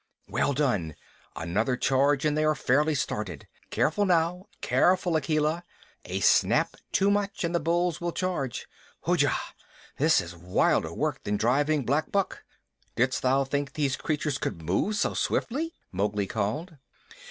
"Well done! Another charge and they are fairly started. Careful, now careful, Akela. A snap too much and the bulls will charge. Hujah! This is wilder work than driving black buck. Didst thou think these creatures could move so swiftly?" Mowgli called.